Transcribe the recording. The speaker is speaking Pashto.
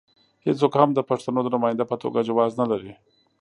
هېڅوک هم د پښتنو د نماینده په توګه جواز نه لري.